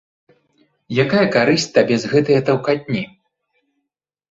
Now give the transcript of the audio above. Якая карысць табе з гэтае таўкатні.